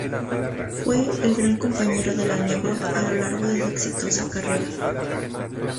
Fue el gran compañero de La Negra a lo largo de su exitosa carrera.